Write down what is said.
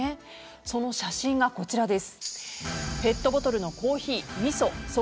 その写真が、こちらです。